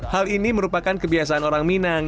hal ini merupakan kebiasaan orang minang